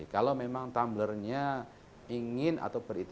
kalau memang tumblrnya ingin atau berhasil